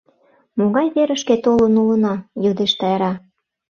— Могай верышке толын улына? — йодеш Тайра.